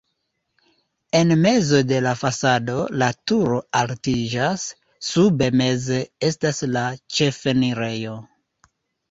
En mezo de la fasado la turo altiĝas, sube meze estas la ĉefenirejo.